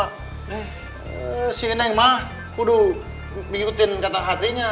eh si neng mah kudu ikutin kata hatinya